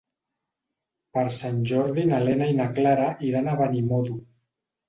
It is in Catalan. Per Sant Jordi na Lena i na Clara iran a Benimodo.